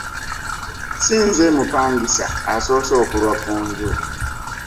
Si nze mupangisa asoose okulwa ku nju.